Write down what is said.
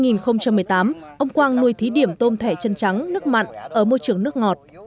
năm hai nghìn một mươi tám ông quang nuôi thí điểm tôm thẻ chân trắng nước mặn ở môi trường nước ngọt